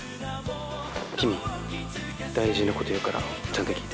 キミ大事なこと言うからちゃんと聞いて。